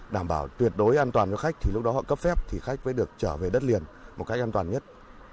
đảm bảo tuyệt đối an toàn cho khách thì lúc đó họ cấp phép thì khách mới được trở về đất liền một cách an toàn nhất